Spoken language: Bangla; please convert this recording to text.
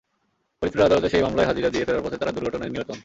ফরিদপুরের আদালতে সেই মামলায় হাজিরা দিয়ে ফেরার পথে তাঁরা দুর্ঘটনায় নিহত হন।